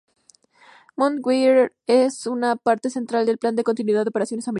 Mount Weather es una parte central del Plan de Continuidad de Operaciones americano.